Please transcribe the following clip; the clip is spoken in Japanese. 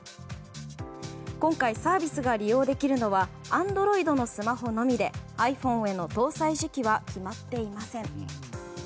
今回、サービスが利用できるのはアンドロイドのスマホのみでｉＰｈｏｎｅへの搭載時期は決まっていません。